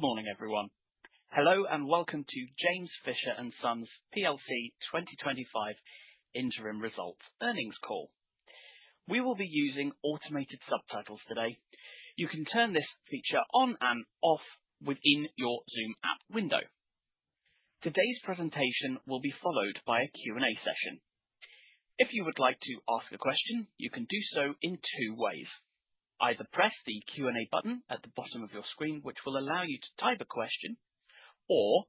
Good morning, everyone. Hello and welcome to James Fisher and Sons PLC 2025 Interim Results Earnings Call. We will be using automated subtitles today. You can turn this feature on and off within your Zoom app window. Today's presentation will be followed by a Q&A session. If you would like to ask a question, you can do so in two ways. Either press the Q&A button at the bottom of your screen, which will allow you to type a question, or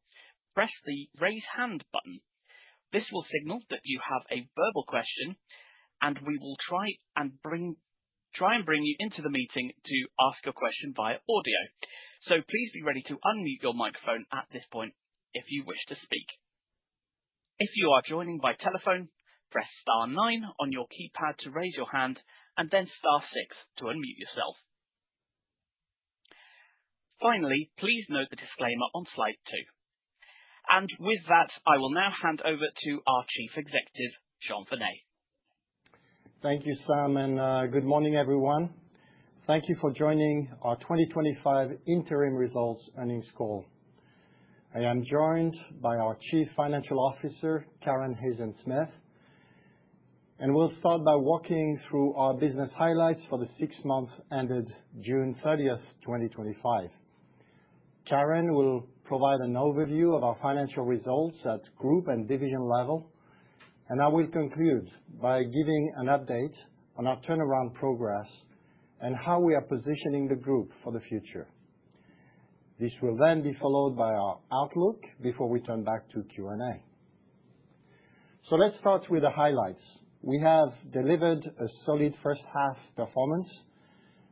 press the raise hand button. This will signal that you have a verbal question, and we will try and bring you into the meeting to ask your question via audio. So please be ready to unmute your microphone at this point if you wish to speak. If you are joining by telephone, press star nine on your keypad to raise your hand, and then star six to unmute yourself. Finally, please note the disclaimer on slide two. And with that, I will now hand over to our Chief Executive, Jean Vernet. Thank you, Sam, and good morning, everyone. Thank you for joining our 2025 Interim Results Earnings Call. I am joined by our Chief Financial Officer, Karen Hayzen-Smith, and we'll start by walking through our business highlights for the six months ended June 30th, 2025. Karen will provide an overview of our financial results at group and division level, and I will conclude by giving an update on our turnaround progress and how we are positioning the group for the future. This will then be followed by our outlook before we turn back to Q&A. So let's start with the highlights. We have delivered a solid first half performance.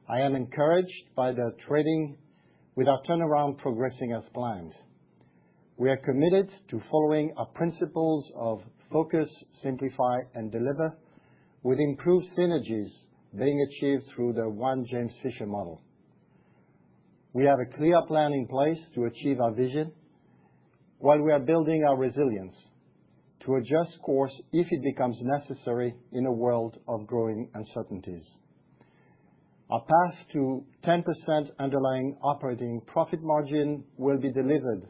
I am encouraged by the trading, with our turnaround progressing as planned. We are committed to following our principles of focus, simplify, and deliver, with improved synergies being achieved through the One James Fisher Model. We have a clear plan in place to achieve our vision while we are building our resilience to adjust course if it becomes necessary in a world of growing uncertainties. Our path to 10% underlying operating profit margin will be delivered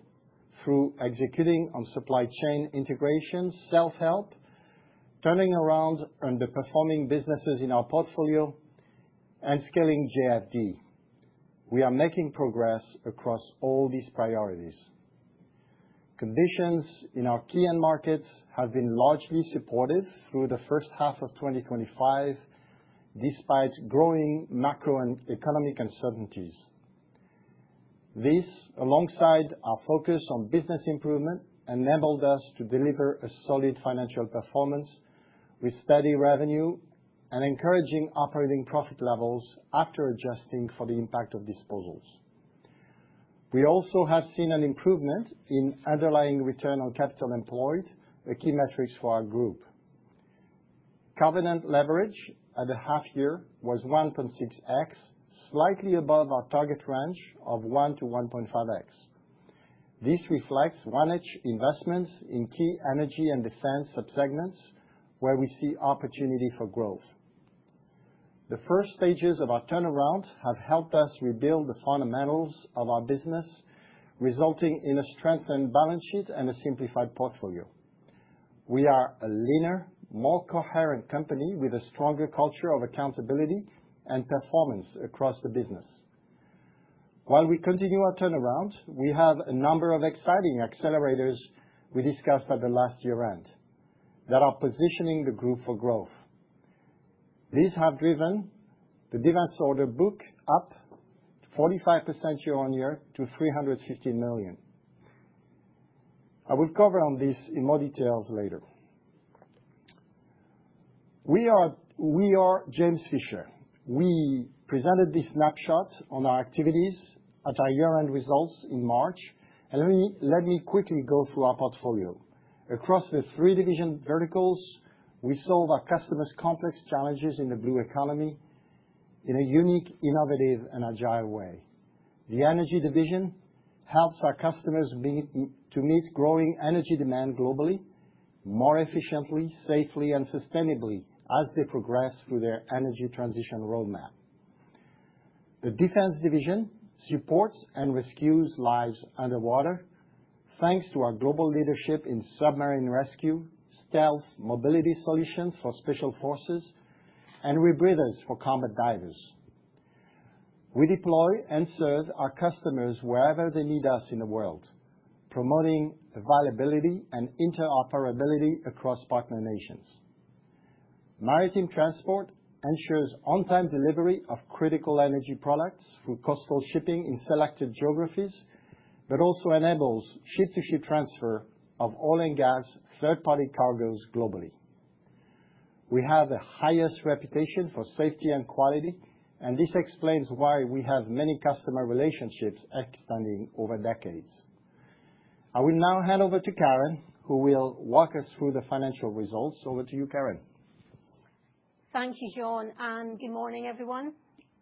through executing on supply chain integration, self-help, turning around underperforming businesses in our portfolio, and scaling JFD. We are making progress across all these priorities. Conditions in our key end markets have been largely supportive through the first half of 2025, despite growing macro and economic uncertainties. This, alongside our focus on business improvement, enabled us to deliver a solid financial performance with steady revenue and encouraging operating profit levels after adjusting for the impact of disposals. We also have seen an improvement in underlying return on capital employed, a key metric for our group. Covenant leverage at the half year was 1.6x, slightly above our target range of 1x-1.5x. This reflects ongoing investments in key energy and defense subsegments, where we see opportunity for growth. The first stages of our turnaround have helped us rebuild the fundamentals of our business, resulting in a strengthened balance sheet and a simplified portfolio. We are a leaner, more coherent company with a stronger culture of accountability and performance across the business. While we continue our turnaround, we have a number of exciting accelerators we discussed at the last year-end that are positioning the group for growth. These have driven the diversified order book up 45% year-on-year to 315 million. I will cover this in more detail later. We are James Fisher. We presented this snapshot on our activities at our year-end results in March, and let me quickly go through our portfolio. Across the three division verticals, we solve our customers' complex challenges in the blue economy in a unique, innovative, and agile way. The energy division helps our customers to meet growing energy demand globally more efficiently, safely, and sustainably as they progress through their energy transition roadmap. The defense division supports and rescues lives underwater, thanks to our global leadership in submarine rescue, stealth, mobility solutions for special forces, and rebreathers for combat divers. We deploy and serve our customers wherever they need us in the world, promoting availability and interoperability across partner nations. Maritime transport ensures on-time delivery of critical energy products through coastal shipping in selected geographies, but also enables ship-to-ship transfer of oil and gas third-party cargoes globally. We have the highest reputation for safety and quality, and this explains why we have many customer relationships extending over decades. I will now hand over to Karen, who will walk us through the financial results. Over to you, Karen. Thank you, Jean, and good morning, everyone.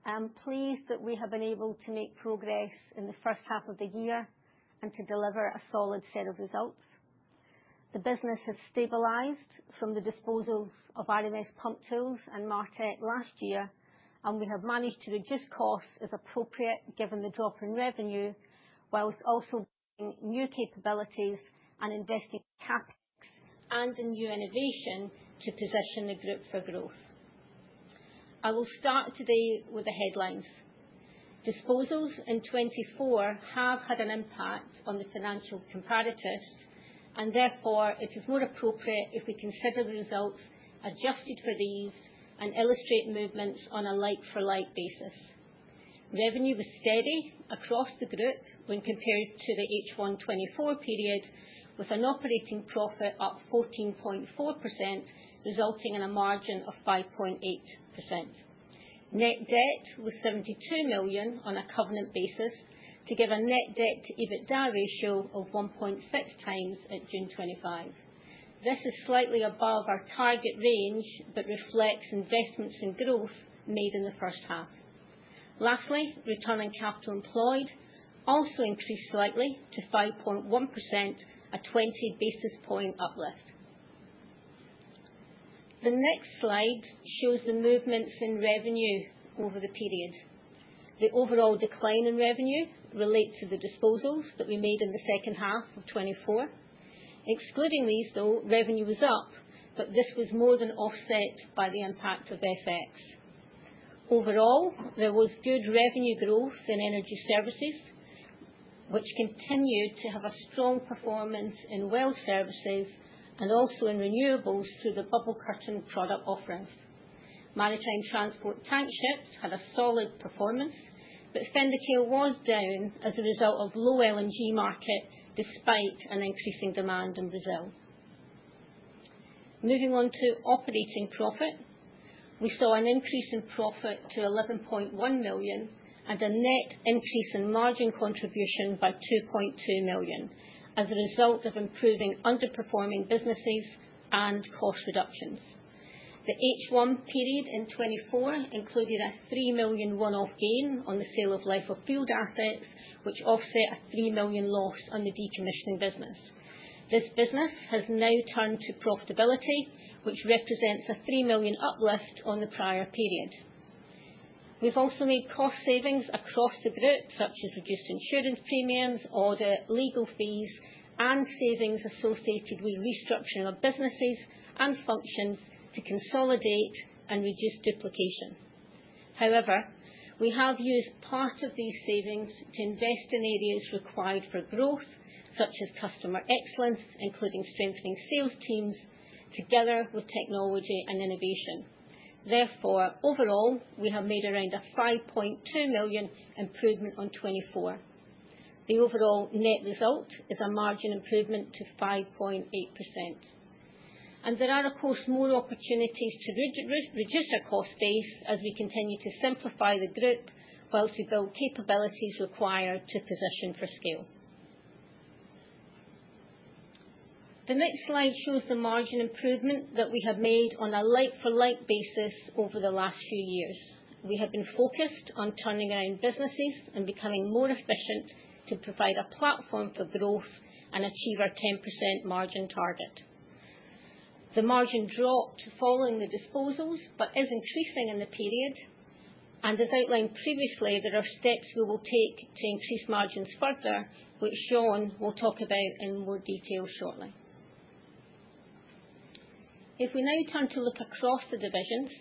I'm pleased that we have been able to make progress in the first half of the year and to deliver a solid set of results. The business has stabilized from the disposals of RMSpumptools and Martek last year, and we have managed to reduce costs as appropriate given the drop in revenue, while also building new capabilities and investing in CapEx and in new innovation to position the group for growth. I will start today with the headlines. Disposals in 2024 have had an impact on the financial comparators, and therefore it is more appropriate if we consider the results adjusted for these and illustrate movements on a like-for-like basis. Revenue was steady across the group when compared to the H1 2024 period, with an operating profit up 14.4%, resulting in a margin of 5.8%. Net debt was 72 million on a covenant basis to give a net debt-to-EBITDA ratio of 1.6 times at June 2025. This is slightly above our target range but reflects investments in growth made in the first half. Lastly, return on capital employed also increased slightly to 5.1%, a 20 basis point uplift. The next slide shows the movements in revenue over the period. The overall decline in revenue relates to the disposals that we made in the second half of 2024. Excluding these, though, revenue was up, but this was more than offset by the impact of FX. Overall, there was good revenue growth in energy services, which continued to have a strong performance in well services and also in renewables through the bubble curtain product offerings. Maritime transport tankships had a solid performance, but Fendercare was down as a result of low LNG market despite an increasing demand in Brazil. Moving on to operating profit, we saw an increase in profit to 11.1 million and a net increase in margin contribution by 2.2 million as a result of improving underperforming businesses and cost reductions. The H1 period in 2024 included a 3 million one-off gain on the sale of life of field assets, which offset a 3 million loss on the decommissioning business. This business has now turned to profitability, which represents a 3 million uplift on the prior period. We've also made cost savings across the group, such as reduced insurance premiums, audit legal fees, and savings associated with restructuring of businesses and functions to consolidate and reduce duplication. However, we have used part of these savings to invest in areas required for growth, such as customer excellence, including strengthening sales teams together with technology and innovation. Therefore, overall, we have made around a 5.2 million improvement on 2024. The overall net result is a margin improvement to 5.8%. And there are, of course, more opportunities to reduce our cost base as we continue to simplify the group whilst we build capabilities required to position for scale. The next slide shows the margin improvement that we have made on a like-for-like basis over the last few years. We have been focused on turning around businesses and becoming more efficient to provide a platform for growth and achieve our 10% margin target. The margin dropped following the disposals but is increasing in the period. As outlined previously, there are steps we will take to increase margins further, which Jean will talk about in more detail shortly. If we now turn to look across the divisions,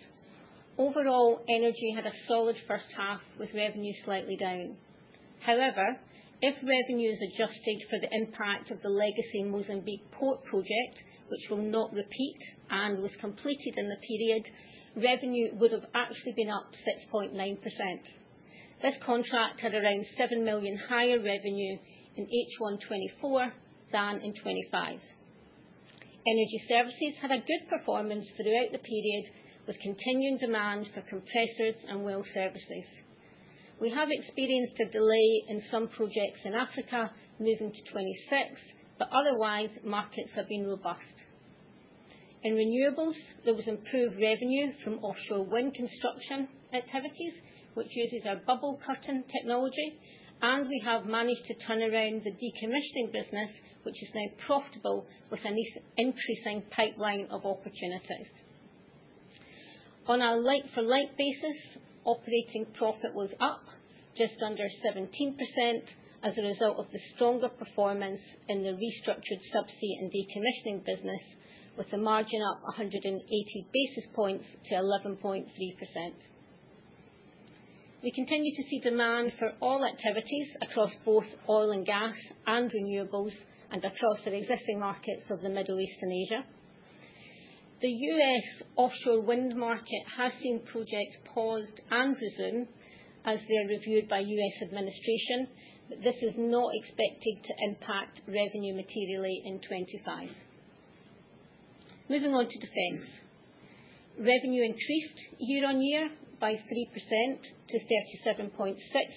overall energy had a solid first half with revenue slightly down. However, if revenue is adjusted for the impact of the legacy Mozambique port project, which will not repeat and was completed in the period, revenue would have actually been up 6.9%. This contract had around 7 million higher revenue in H1 2024 than in 2025. Energy services had a good performance throughout the period with continuing demand for compressors and well services. We have experienced a delay in some projects in Africa moving to 2026, but otherwise, markets have been robust. In renewables, there was improved revenue from offshore wind construction activities, which uses our bubble curtain technology, and we have managed to turn around the decommissioning business, which is now profitable with an increasing pipeline of opportunities. On a like-for-like basis, operating profit was up just under 17% as a result of the stronger performance in the restructured subsea and decommissioning business, with the margin up 180 basis points to 11.3%. We continue to see demand for all activities across both oil and gas and renewables and across the existing markets of the Middle East and Asia. The U.S. offshore wind market has seen projects paused and resumed as they are reviewed by U.S. administration, but this is not expected to impact revenue materially in 2025. Moving on to defense, revenue increased year-on-year by 3% to 37.6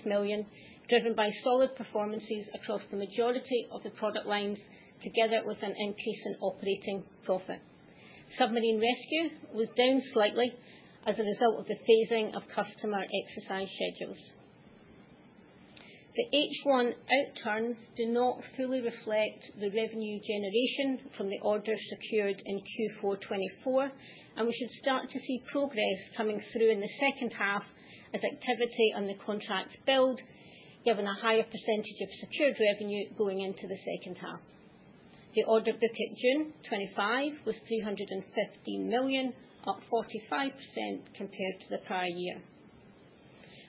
million, driven by solid performances across the majority of the product lines, together with an increase in operating profit. Submarine rescue was down slightly as a result of the phasing of customer exercise schedules. The H1 outturn did not fully reflect the revenue generation from the order secured in Q4 2024, and we should start to see progress coming through in the second half as activity on the contracts build, given a higher percentage of secured revenue going into the second half. The order book at June 2025 was 315 million, up 45% compared to the prior year.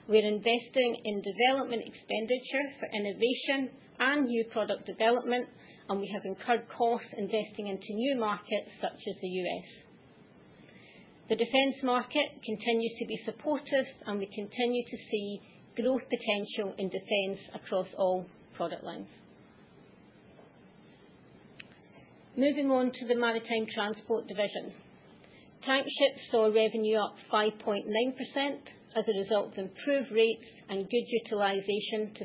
We are investing in development expenditure for innovation and new product development, and we have incurred costs investing into new markets such as the U.S. The defense market continues to be supportive, and we continue to see growth potential in defense across all product lines. Moving on to the maritime transport division, tankships saw revenue up 5.9% as a result of improved rates and good utilization to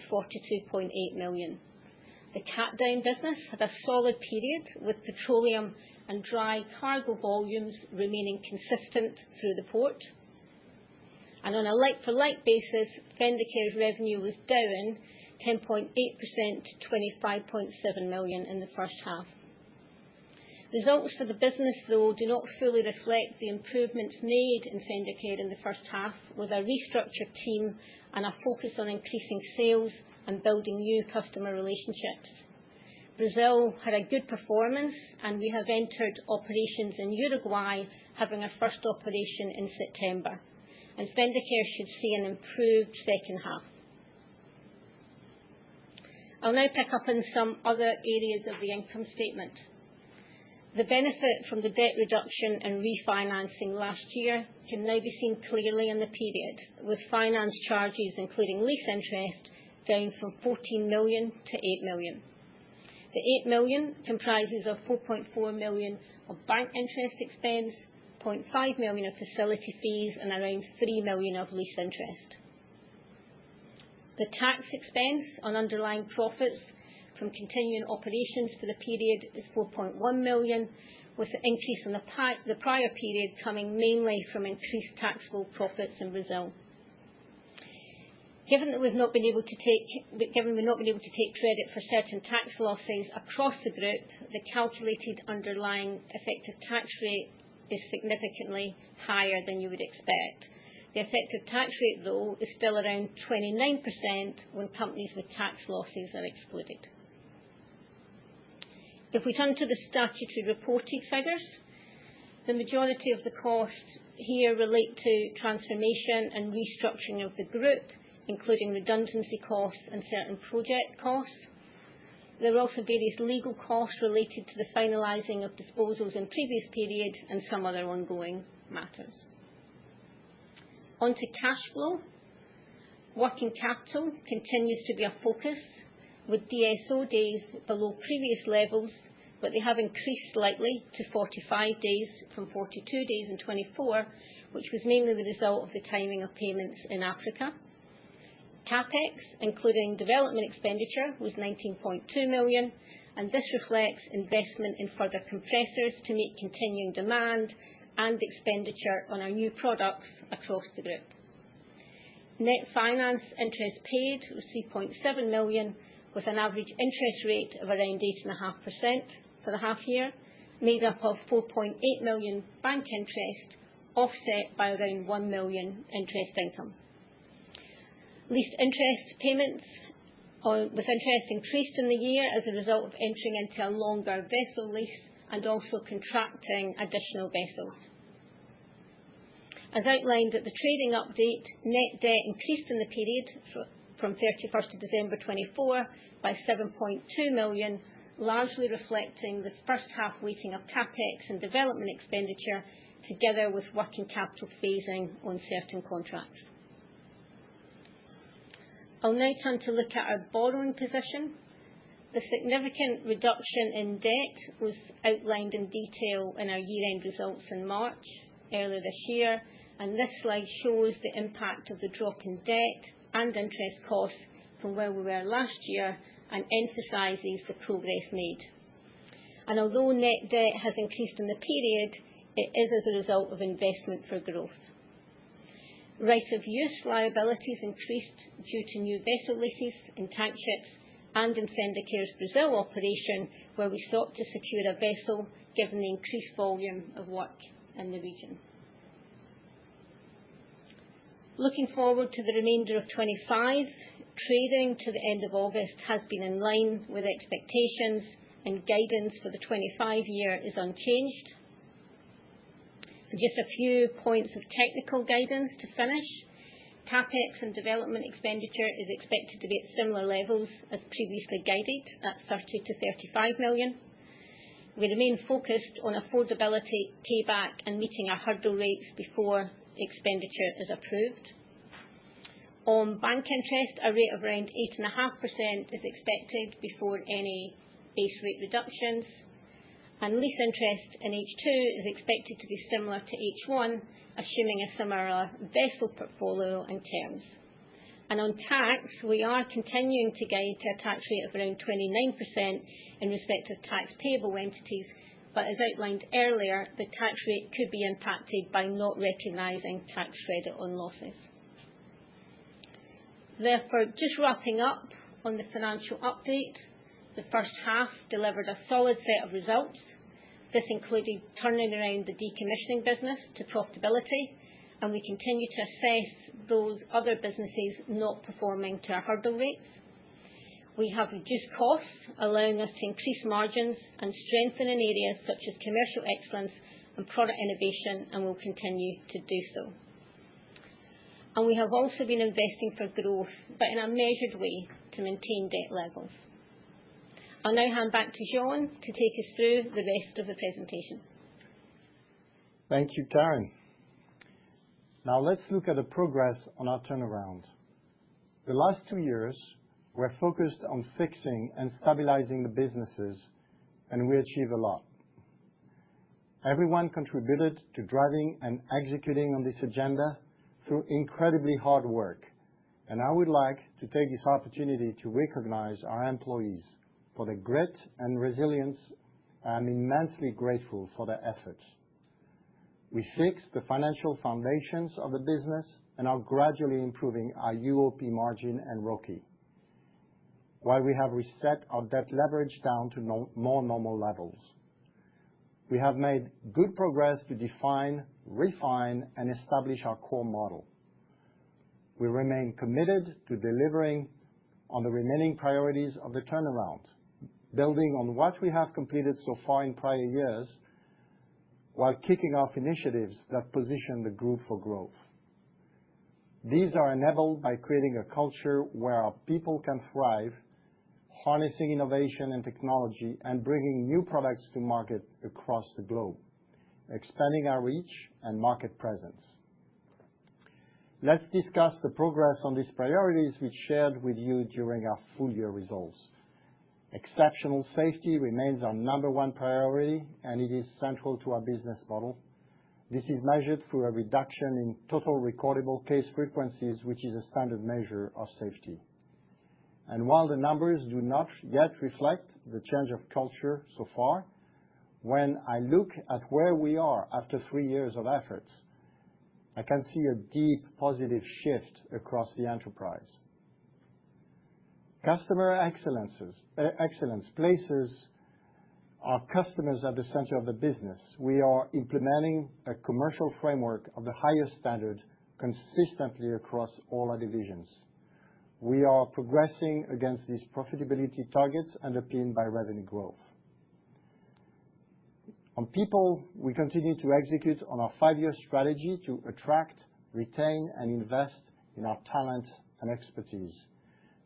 42.8 million. The Cattedown Wharves business had a solid period with petroleum and dry cargo volumes remaining consistent through the port. On a like-for-like basis, Fendercare Marine's revenue was down 10.8% to 25.7 million in the first half. Results for the business, though, do not fully reflect the improvements made in Fendercare Marine in the first half with a restructured team and a focus on increasing sales and building new customer relationships. Brazil had a good performance, and we have entered operations in Uruguay, having our first operation in September, and Fendercare Marine should see an improved second half. I'll now pick up on some other areas of the income statement. The benefit from the debt reduction and refinancing last year can now be seen clearly in the period, with finance charges, including lease interest, down from 14 million to 8 million. The 8 million comprises of 4.4 million of bank interest expense, 0.5 million of facility fees, and around 3 million of lease interest. The tax expense on underlying profits from continuing operations for the period is 4.1 million, with the increase in the prior period coming mainly from increased taxable profits in Brazil. Given that we've not been able to take credit for certain tax losses across the group, the calculated underlying effective tax rate is significantly higher than you would expect. The effective tax rate, though, is still around 29% when companies with tax losses are excluded. If we turn to the statutory reported figures, the majority of the costs here relate to transformation and restructuring of the group, including redundancy costs and certain project costs. There are also various legal costs related to the finalizing of disposals in previous periods and some other ongoing matters. Onto cash flow, working capital continues to be a focus, with DSO days below previous levels, but they have increased slightly to 45 days from 42 days in 2024, which was mainly the result of the timing of payments in Africa. CapEx, including development expenditure, was 19.2 million, and this reflects investment in further compressors to meet continuing demand and expenditure on our new products across the group. Net finance interest paid was 3.7 million, with an average interest rate of around 8.5% for the half year, made up of 4.8 million bank interest, offset by around 1 million interest income. Lease interest payments with interest increased in the year as a result of entering into a longer vessel lease and also contracting additional vessels. As outlined at the trading update, net debt increased in the period from 31st of December 2024 by 7.2 million, largely reflecting the first half weighting of Capex and development expenditure together with working capital phasing on certain contracts. I'll now turn to look at our borrowing position. The significant reduction in debt was outlined in detail in our year-end results in March earlier this year, and this slide shows the impact of the drop in debt and interest costs from where we were last year and emphasizes the progress made. Although net debt has increased in the period, it is as a result of investment for growth. Right-of-use liabilities increased due to new vessel leases in tankships and in Fendercare's Brazil operation, where we sought to secure a vessel given the increased volume of work in the region. Looking forward to the remainder of 2025, trading to the end of August has been in line with expectations, and guidance for the 2025 year is unchanged. Just a few points of technical guidance to finish. Capex and development expenditure is expected to be at similar levels as previously guided at £30 million-£35 million. We remain focused on affordability, payback, and meeting our hurdle rates before expenditure is approved. On bank interest, a rate of around 8.5% is expected before any base rate reductions, and lease interest in H2 is expected to be similar to H1, assuming a similar vessel portfolio in terms. On tax, we are continuing to guide to a tax rate of around 29% in respect of tax payable entities, but as outlined earlier, the tax rate could be impacted by not recognizing tax credit on losses. Therefore, just wrapping up on the financial update, the first half delivered a solid set of results. This included turning around the decommissioning business to profitability, and we continue to assess those other businesses not performing to our hurdle rates. We have reduced costs, allowing us to increase margins and strengthen in areas such as commercial excellence and product innovation, and we'll continue to do so. We have also been investing for growth, but in a measured way to maintain debt levels. I'll now hand back to Jean to take us through the rest of the presentation. Thank you, Karen. Now let's look at the progress on our turnaround. The last two years, we're focused on fixing and stabilizing the businesses, and we achieved a lot. Everyone contributed to driving and executing on this agenda through incredibly hard work, and I would like to take this opportunity to recognize our employees for their grit and resilience. I'm immensely grateful for their efforts. We fixed the financial foundations of the business and are gradually improving our UOP margin and ROCE, while we have reset our debt leverage down to more normal levels. We have made good progress to define, refine, and establish our core model. We remain committed to delivering on the remaining priorities of the turnaround, building on what we have completed so far in prior years while kicking off initiatives that position the group for growth. These are enabled by creating a culture where our people can thrive, harnessing innovation and technology, and bringing new products to market across the globe, expanding our reach and market presence. Let's discuss the progress on these priorities we shared with you during our full-year results. Exceptional safety remains our number one priority, and it is central to our business model. This is measured through a reduction in total recordable case frequency, which is a standard measure of safety. And while the numbers do not yet reflect the change of culture so far, when I look at where we are after three years of efforts, I can see a deep positive shift across the enterprise. Customer excellence places our customers at the center of the business. We are implementing a commercial framework of the highest standard consistently across all our divisions. We are progressing against these profitability targets underpinned by revenue growth. On people, we continue to execute on our five-year strategy to attract, retain, and invest in our talent and expertise.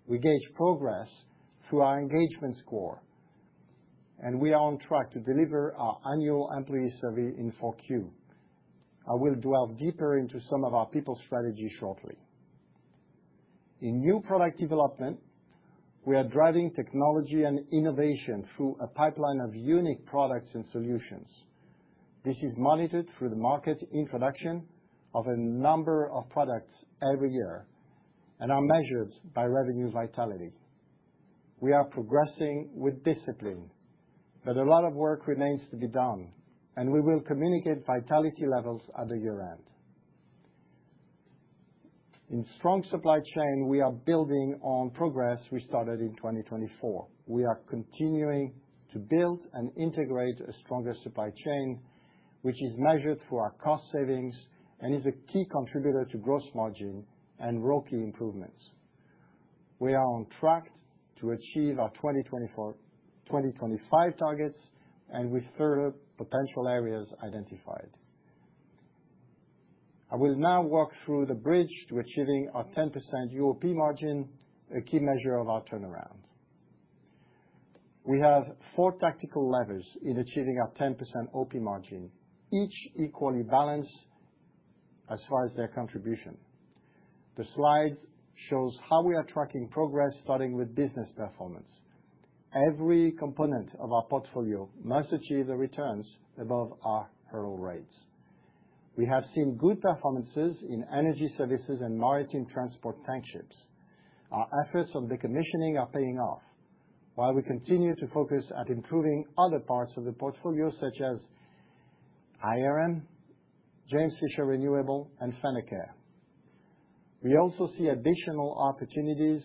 We gauge progress through our engagement score, and we are on track to deliver our annual employee survey in Q4. I will delve deeper into some of our people strategy shortly. In new product development, we are driving technology and innovation through a pipeline of unique products and solutions. This is monitored through the market introduction of a number of products every year and are measured by revenue vitality. We are progressing with discipline, but a lot of work remains to be done, and we will communicate vitality levels at the year-end. In strong supply chain, we are building on progress we started in 2024. We are continuing to build and integrate a stronger supply chain, which is measured through our cost savings and is a key contributor to gross margin and ROCE improvements. We are on track to achieve our 2024-2025 targets and with further potential areas identified. I will now walk through the bridge to achieving our 10% UOP margin, a key measure of our turnaround. We have four tactical levers in achieving our 10% OP margin, each equally balanced as far as their contribution. The slide shows how we are tracking progress, starting with business performance. Every component of our portfolio must achieve the returns above our hurdle rates. We have seen good performances in energy services and maritime transport tankships. Our efforts on decommissioning are paying off, while we continue to focus on improving other parts of the portfolio, such as IRM, James Fisher Renewables, and Fendercare Marine. We also see additional opportunities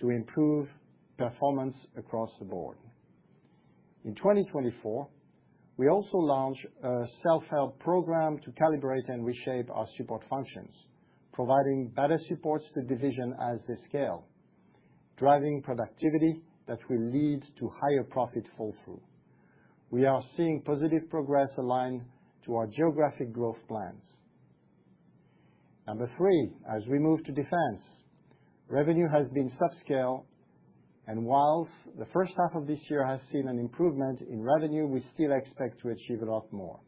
to improve performance across the board. In 2024, we also launched a self-help program to calibrate and reshape our support functions, providing better supports to the division as they scale, driving productivity that will lead to higher profit fall-through. We are seeing positive progress aligned to our geographic growth plans. Number three, as we move to defense, revenue has been subscale, and while the first half of this year has seen an improvement in revenue, we still expect to achieve a lot more.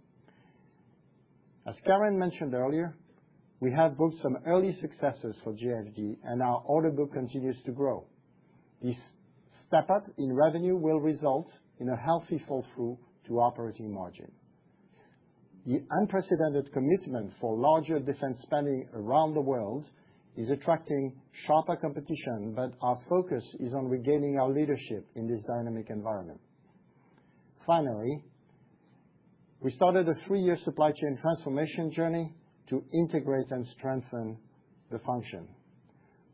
As Karen mentioned earlier, we have booked some early successes for JFD, and our order book continues to grow. This step-up in revenue will result in a healthy fall-through to operating margin. The unprecedented commitment for larger defense spending around the world is attracting sharper competition, but our focus is on regaining our leadership in this dynamic environment. Finally, we started a three-year supply chain transformation journey to integrate and strengthen the function.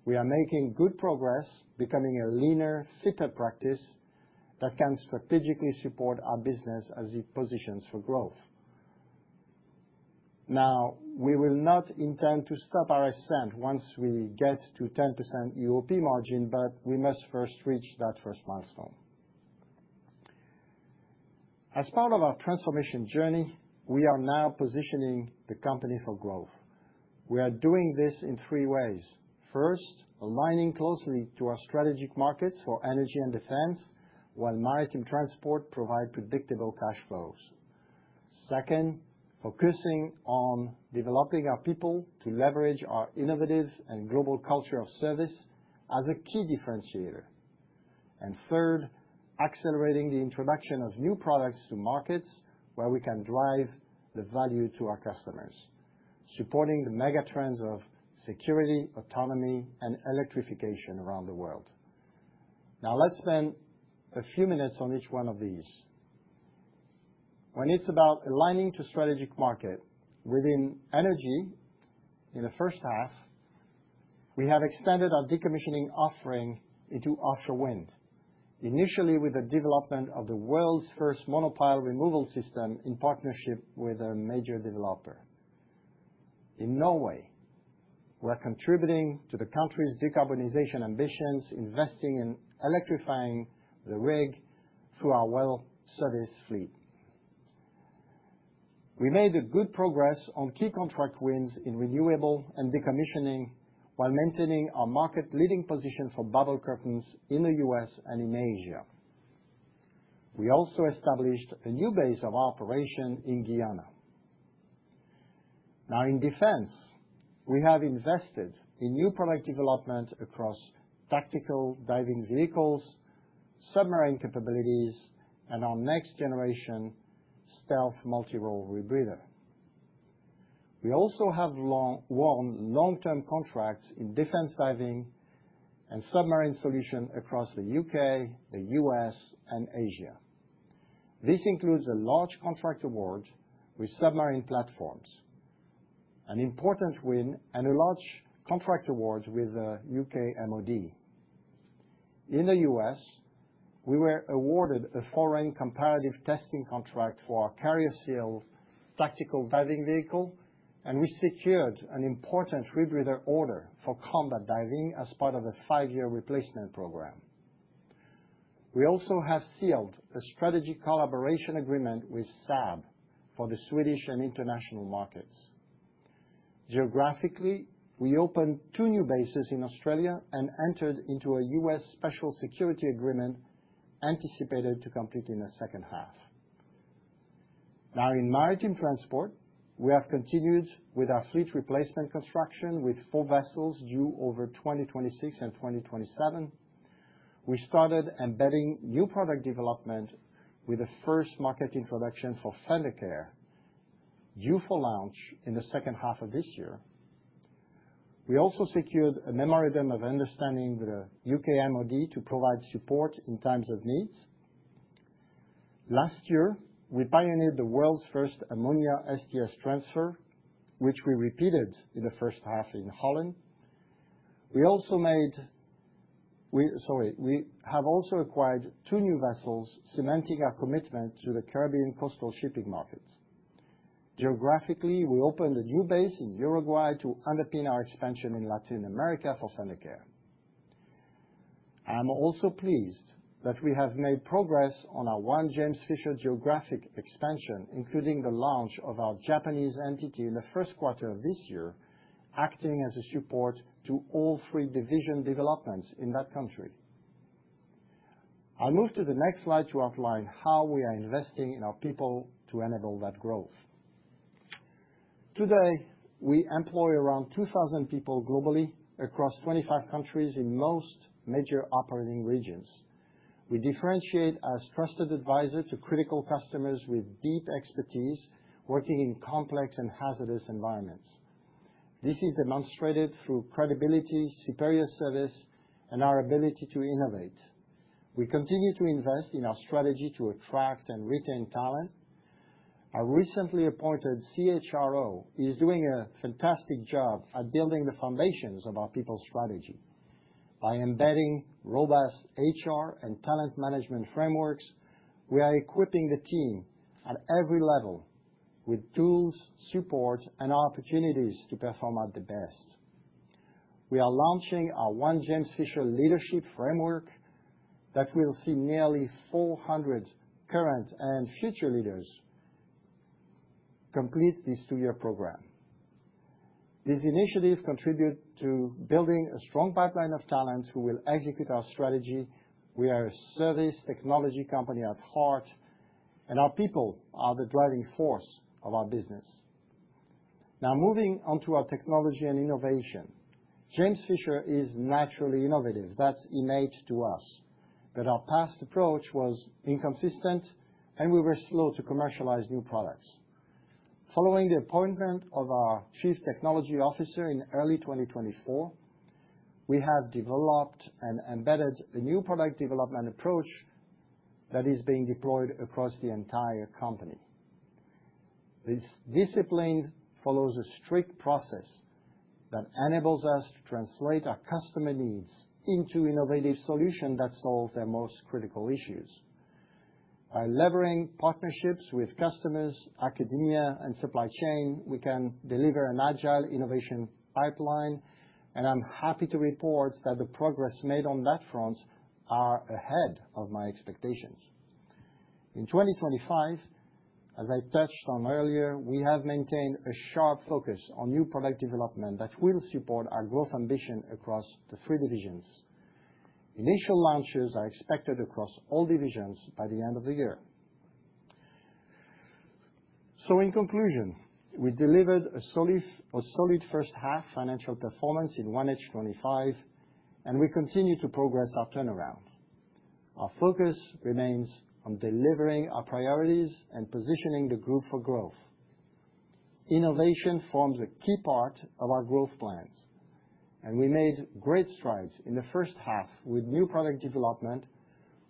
We are making good progress, becoming a leaner, fitter practice that can strategically support our business as it positions for growth. Now, we will not intend to stop our ascent once we get to 10% UOP margin, but we must first reach that first milestone. As part of our transformation journey, we are now positioning the company for growth. We are doing this in three ways. First, aligning closely to our strategic markets for energy and defense, while maritime transport provides predictable cash flows. Second, focusing on developing our people to leverage our innovative and global culture of service as a key differentiator. And third, accelerating the introduction of new products to markets where we can drive the value to our customers, supporting the megatrends of security, autonomy, and electrification around the world. Now, let's spend a few minutes on each one of these. When it's about aligning to strategic market within energy, in the first half, we have extended our decommissioning offering into offshore wind, initially with the development of the world's first monopile removal system in partnership with a major developer. In Norway, we're contributing to the country's decarbonization ambitions, investing in electrifying the rig through our well service fleet. We made good progress on key contract wins in renewable and decommissioning, while maintaining our market-leading position for bubble curtains in the U.S. and in Asia. We also established a new base of operation in Guyana. Now, in defense, we have invested in new product development across tactical diving vehicles, submarine capabilities, and our next-generation stealth multirole rebreather. We also have long-term contracts in defense diving and submarine solutions across the U.K., the U.S., and Asia. This includes a large contract award with submarine platforms, an important win, and a large contract award with the U.K. MoD. In the U.S., we were awarded a Foreign Comparative Testing contract for our Carrier Seal tactical diving vehicle, and we secured an important rebreather order for combat diving as part of a five-year replacement program. We also have sealed a strategic collaboration agreement with Saab for the Swedish and international markets. Geographically, we opened two new bases in Australia and entered into a U.S. Special Security Agreement anticipated to complete in the second half. Now, in maritime transport, we have continued with our fleet replacement construction with four vessels due over 2026 and 2027. We started embedding new product development with the first market introduction for Fendercare, due for launch in the second half of this year. We also secured a memorandum of understanding with the UK MoD to provide support in times of need. Last year, we pioneered the world's first ammonia STS transfer, which we repeated in the first half in the Netherlands. We also made, sorry, we have also acquired two new vessels, cementing our commitment to the Caribbean coastal shipping markets. Geographically, we opened a new base in Uruguay to underpin our expansion in Latin America for Fendercare. I'm also pleased that we have made progress on our one James Fisher geographic expansion, including the launch of our Japanese entity in the first quarter of this year, acting as a support to all three division developments in that country. I'll move to the next slide to outline how we are investing in our people to enable that growth. Today, we employ around 2,000 people globally across 25 countries in most major operating regions. We differentiate as trusted advisors to critical customers with deep expertise, working in complex and hazardous environments. This is demonstrated through credibility, superior service, and our ability to innovate. We continue to invest in our strategy to attract and retain talent. Our recently appointed CHRO is doing a fantastic job at building the foundations of our people's strategy. By embedding robust HR and talent management frameworks, we are equipping the team at every level with tools, support, and opportunities to perform at their best. We are launching our one James Fisher leadership framework that will see nearly 400 current and future leaders complete this two-year program. This initiative contributes to building a strong pipeline of talent who will execute our strategy. We are a service technology company at heart, and our people are the driving force of our business. Now, moving on to our technology and innovation, James Fisher is naturally innovative. That's innate to us, but our past approach was inconsistent, and we were slow to commercialize new products. Following the appointment of our Chief Technology Officer in early 2024, we have developed and embedded a new product development approach that is being deployed across the entire company. This discipline follows a strict process that enables us to translate our customer needs into innovative solutions that solve their most critical issues. By leveraging partnerships with customers, academia, and supply chain, we can deliver an agile innovation pipeline, and I'm happy to report that the progress made on that front is ahead of my expectations. In 2025, as I touched on earlier, we have maintained a sharp focus on new product development that will support our growth ambition across the three divisions. Initial launches are expected across all divisions by the end of the year. So, in conclusion, we delivered a solid first half financial performance in 1H25, and we continue to progress our turnaround. Our focus remains on delivering our priorities and positioning the group for growth. Innovation forms a key part of our growth plans, and we made great strides in the first half with new product development,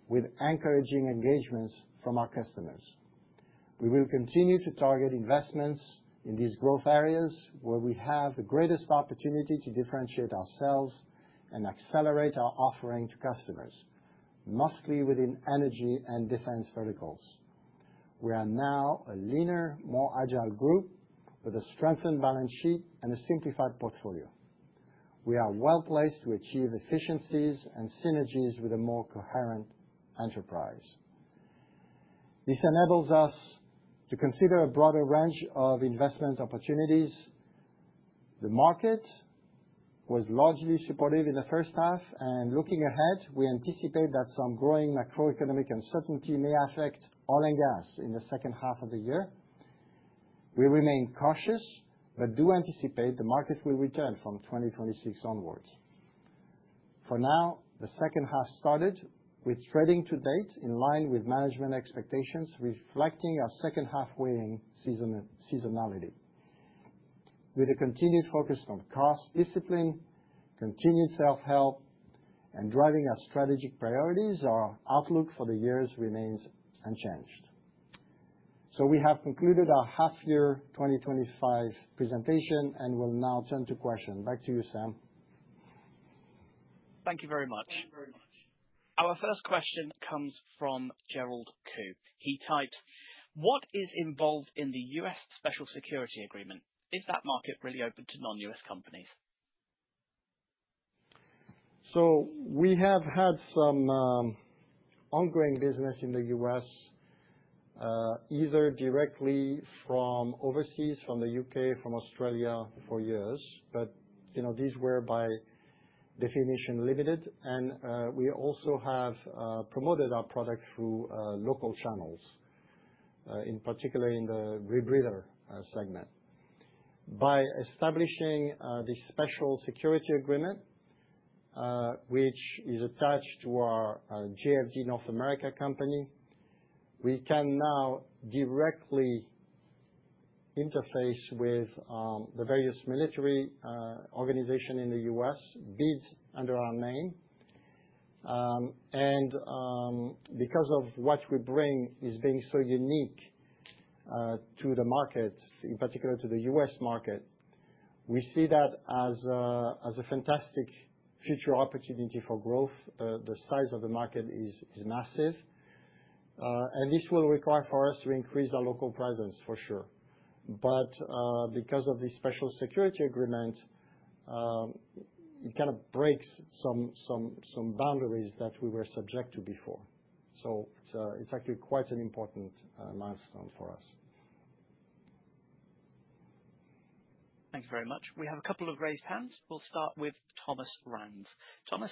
with encouraging engagements from our customers. We will continue to target investments in these growth areas where we have the greatest opportunity to differentiate ourselves and accelerate our offering to customers, mostly within energy and defense verticals. We are now a leaner, more agile group with a strengthened balance sheet and a simplified portfolio. We are well placed to achieve efficiencies and synergies with a more coherent enterprise. This enables us to consider a broader range of investment opportunities. The market was largely supportive in the first half, and looking ahead, we anticipate that some growing macroeconomic uncertainty may affect oil and gas in the second half of the year. We remain cautious but do anticipate the market will return from 2026 onwards. For now, the second half started with trading to date in line with management expectations, reflecting our second half-weighted seasonality. With a continued focus on cost discipline, continued self-help, and driving our strategic priorities, our outlook for the years remains unchanged. We have concluded our half-year 2025 presentation and will now turn to questions. Back to you, Sam. Thank you very much. Our first question comes from Gerald Khoo. He typed, "What is involved in the US special security agreement? Is that market really open to non-US companies? So, we have had some ongoing business in the U.S., either directly from overseas, from the U.K., from Australia. For years, but these were by definition limited, and we also have promoted our product through local channels, in particular in the rebreather segment. By establishing the special security agreement, which is attached to our JFD North America company, we can now directly interface with the various military organizations in the U.S., bid under our name. And because of what we bring is being so unique to the market, in particular to the U.S. market, we see that as a fantastic future opportunity for growth. The size of the market is massive, and this will require for us to increase our local presence, for sure. But because of the special security agreement, it kind of breaks some boundaries that we were subject to before. So, it's actually quite an important milestone for us. Thanks very much. We have a couple of raised hands. We'll start with Thomas Rands. Thomas,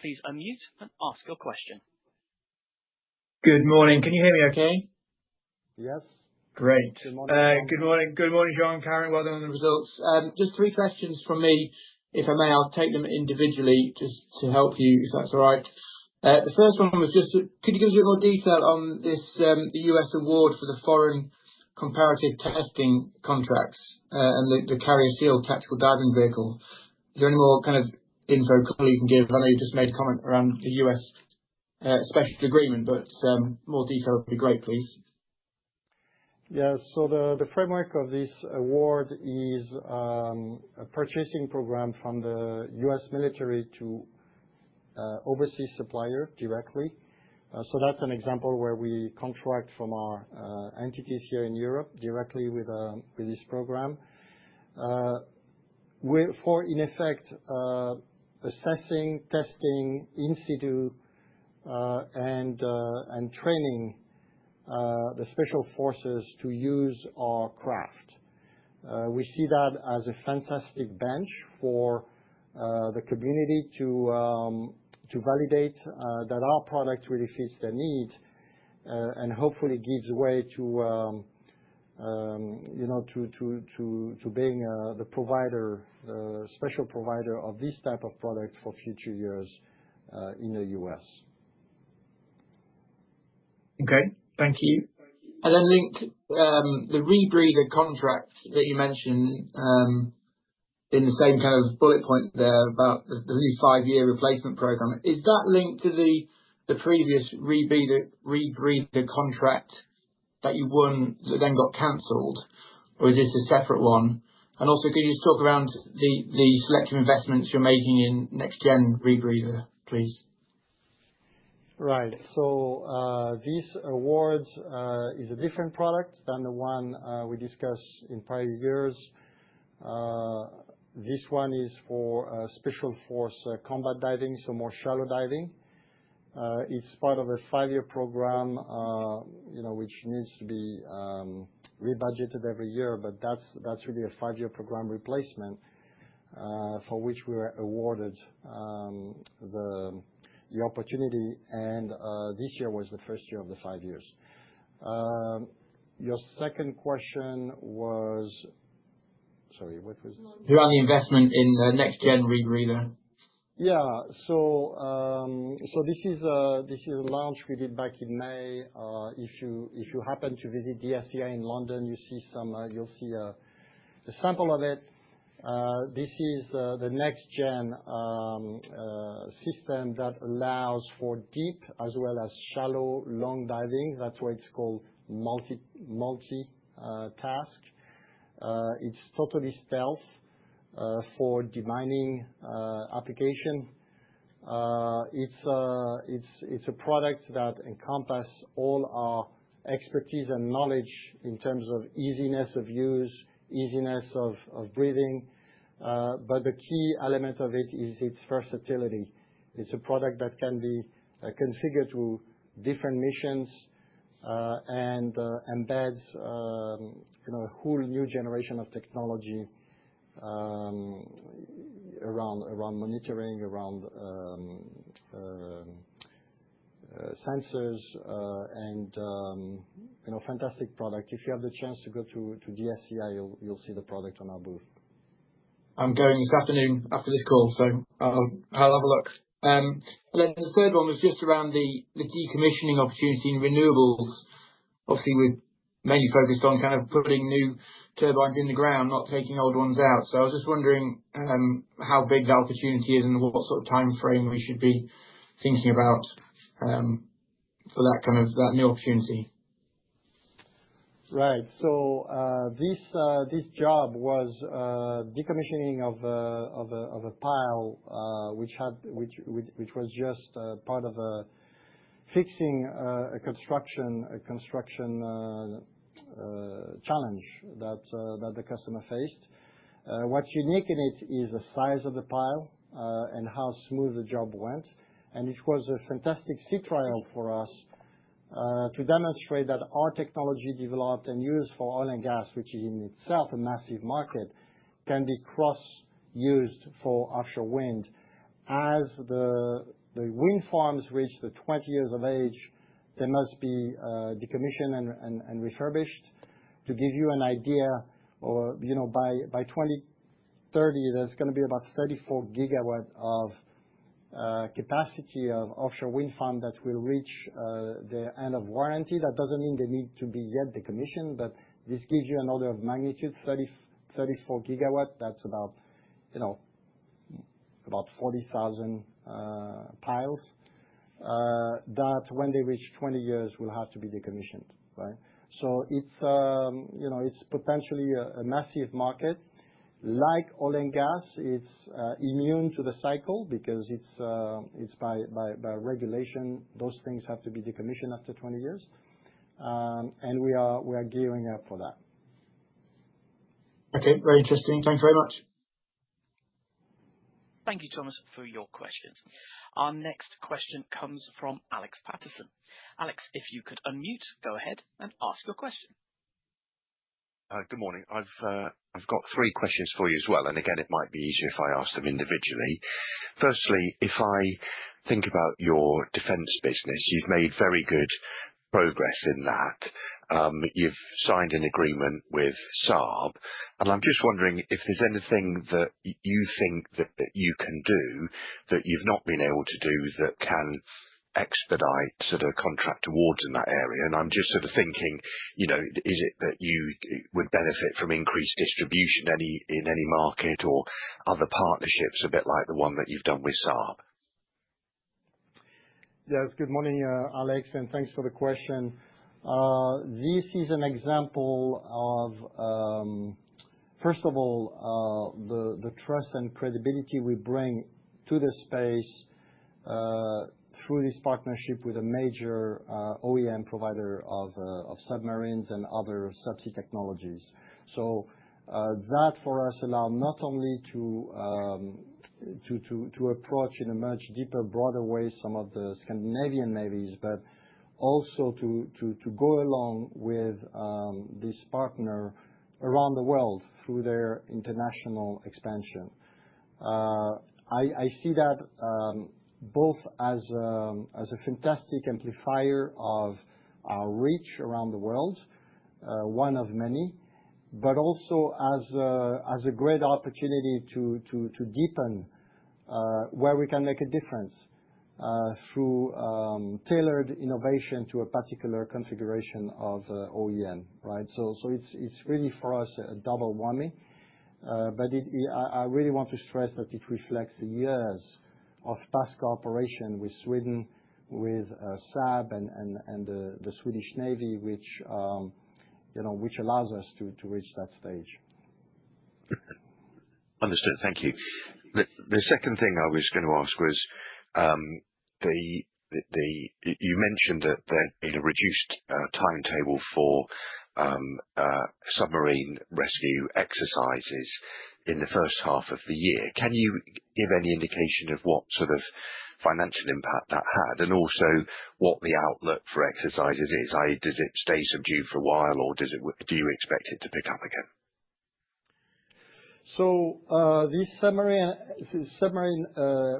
please unmute and ask your question. Good morning. Can you hear me okay? Yes. Great. Good morning. Good morning, Jean and Karen. Well done on the results. Just three questions from me. If I may, I'll take them individually just to help you, if that's all right. The first one was just, could you give us a bit more detail on the U.S. award for the Foreign Comparative Testing contracts and the Carrier Seal tactical diving vehicle? Is there any more kind of info you can give? I know you just made a comment around the U.S. Special Security Agreement, but more detail would be great, please. Yeah, so the framework of this award is a purchasing program from the U.S. military to overseas suppliers directly, so that's an example where we contract from our entities here in Europe directly with this program for, in effect, assessing, testing in situ, and training the special forces to use our craft. We see that as a fantastic bench for the community to validate that our product really fits their needs and hopefully gives way to being the provider, the special provider of this type of product for future years in the U.S. Okay. Thank you. And then linked the rebreather contract that you mentioned in the same kind of bullet point there about the new five-year replacement program. Is that linked to the previous rebreather contract that you won that then got canceled, or is this a separate one? And also, could you just talk around the selective investments you're making in next-gen rebreather, please? Right. So, this award is a different product than the one we discussed in prior years. This one is for special forces combat diving, so more shallow diving. It's part of a five-year program, which needs to be re-budgeted every year, but that's really a five-year program replacement for which we were awarded the opportunity, and this year was the first year of the five years. Your second question was, sorry, what was? Your only investment in the next-gen rebreather. Yeah. So, this is a launch we did back in May. If you happen to visit DSEI in London, you'll see a sample of it. This is the next-gen system that allows for deep as well as shallow long diving. That's why it's called multitask. It's totally stealth for demining application. It's a product that encompasses all our expertise and knowledge in terms of easiness of use, easiness of breathing. But the key element of it is its versatility. It's a product that can be configured through different missions and embeds a whole new generation of technology around monitoring, around sensors, and a fantastic product. If you have the chance to go to DSEI, you'll see the product on our booth. I'm going this afternoon after this call, so I'll have a look. And then the third one was just around the decommissioning opportunity in renewables. Obviously, we're mainly focused on kind of putting new turbines in the ground, not taking old ones out. So, I was just wondering how big the opportunity is and what sort of time frame we should be thinking about for that kind of new opportunity. Right. So, this job was decommissioning of a pile, which was just part of fixing a construction challenge that the customer faced. What's unique in it is the size of the pile and how smooth the job went. And it was a fantastic sea trial for us to demonstrate that our technology developed and used for oil and gas, which is in itself a massive market, can be cross-used for offshore wind. As the wind farms reach the 20 years of age, they must be decommissioned and refurbished. To give you an idea, by 2030, there's going to be about 34 gigawatts of capacity of offshore wind farm that will reach their end of warranty. That doesn't mean they need to be yet decommissioned, but this gives you an order of magnitude: 34 gigawatts. That's about 40,000 piles that, when they reach 20 years, will have to be decommissioned, right? So, it's potentially a massive market. Like oil and gas, it's immune to the cycle because by regulation, those things have to be decommissioned after 20 years. And we are gearing up for that. Okay. Very interesting. Thanks very much. Thank you, Thomas, for your questions. Our next question comes from Alex Paterson. Alex, if you could unmute, go ahead and ask your question. Good morning. I've got three questions for you as well. And again, it might be easier if I ask them individually. Firstly, if I think about your defense business, you've made very good progress in that. You've signed an agreement with Saab. And I'm just wondering if there's anything that you think that you can do that you've not been able to do that can expedite sort of contract awards in that area. And I'm just sort of thinking, is it that you would benefit from increased distribution in any market or other partnerships, a bit like the one that you've done with Saab? Yes. Good morning, Alex, and thanks for the question. This is an example of, first of all, the trust and credibility we bring to the space through this partnership with a major OEM provider of submarines and other subsea technologies. So, that for us allows not only to approach in a much deeper, broader way some of the Scandinavian navies but also to go along with this partner around the world through their international expansion. I see that both as a fantastic amplifier of our reach around the world, one of many, but also as a great opportunity to deepen where we can make a difference through tailored innovation to a particular configuration of OEM, right? So, it's really for us a double whammy. But I really want to stress that it reflects the years of past cooperation with Sweden, with Saab, and the Swedish Navy, which allows us to reach that stage. Understood. Thank you. The second thing I was going to ask was, you mentioned that there's a reduced timetable for submarine rescue exercises in the first half of the year. Can you give any indication of what sort of financial impact that had and also what the outlook for exercises is? Does it stay subdued for a while, or do you expect it to pick up again? So, these submarine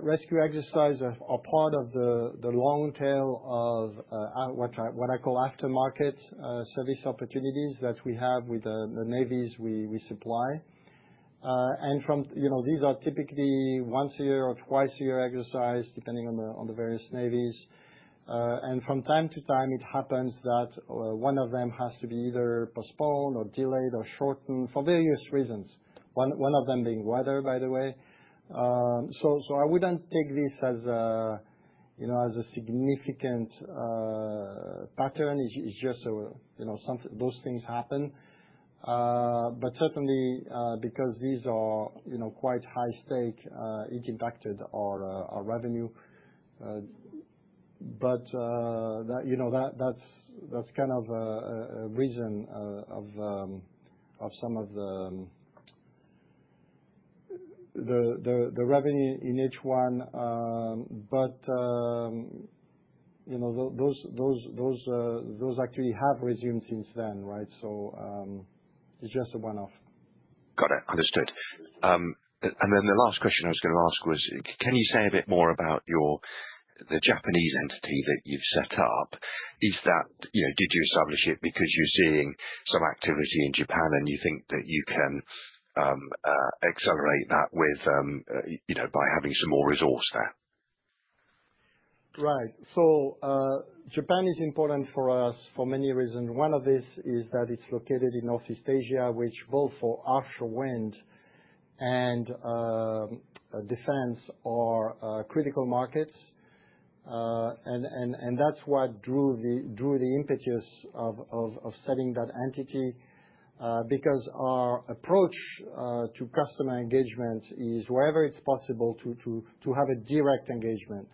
rescue exercises are part of the long tail of what I call aftermarket service opportunities that we have with the navies we supply. And these are typically once a year or twice a year exercises, depending on the various navies. And from time to time, it happens that one of them has to be either postponed or delayed or shortened for various reasons, one of them being weather, by the way. So, I wouldn't take this as a significant pattern. It's just those things happen. But certainly, because these are quite high-stakes, it impacted our revenue. But that's kind of a reason of some of the revenue in each one. But those actually have resumed since then, right? So, it's just a one-off. Got it. Understood. And then the last question I was going to ask was, can you say a bit more about the Japanese entity that you've set up? Did you establish it because you're seeing some activity in Japan, and you think that you can accelerate that by having some more resource there? Right. So, Japan is important for us for many reasons. One of these is that it's located in Northeast Asia, which both for offshore wind and defense are critical markets. And that's what drew the impetus of setting that entity because our approach to customer engagement is, wherever it's possible, to have a direct engagement.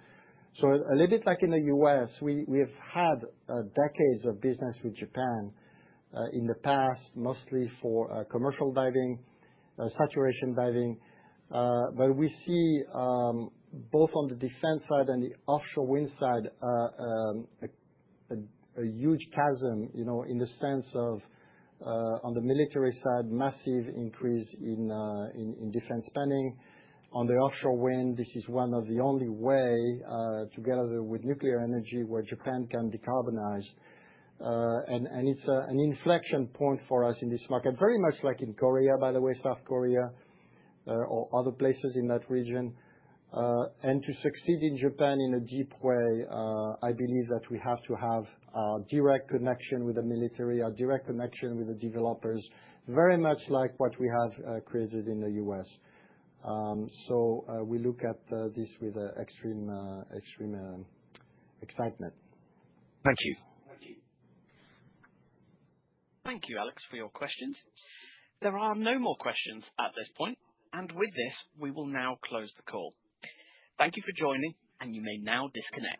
So, a little bit like in the U.S., we have had decades of business with Japan in the past, mostly for commercial diving, saturation diving. But we see, both on the defense side and the offshore wind side, a huge chasm in the sense of, on the military side, massive increase in defense spending. On the offshore wind, this is one of the only ways, together with nuclear energy, where Japan can decarbonize. And it's an inflection point for us in this market, very much like in Korea, by the way, South Korea or other places in that region. And to succeed in Japan in a deep way, I believe that we have to have a direct connection with the military, a direct connection with the developers, very much like what we have created in the U.S. So, we look at this with extreme excitement. Thank you. Thank you, Alex, for your questions. There are no more questions at this point. And with this, we will now close the call. Thank you for joining, and you may now disconnect.